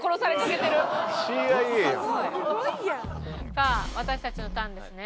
さあ私たちのターンですね。